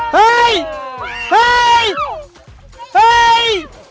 เฮ้ย